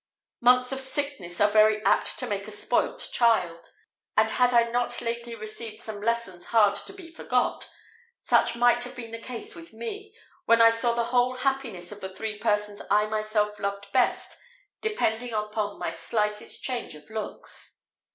Months of sickness are very apt to make a spoilt child; and had I not lately received some lessons hard to be forgot, such might have been the case with me, when I saw the whole happiness of the three persons I myself loved best depending upon my slightest change of looks.